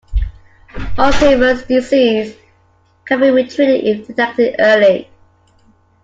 Alzheimer’s disease can be treated if detected early.